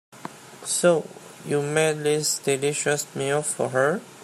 So, you made this delicious meal for her?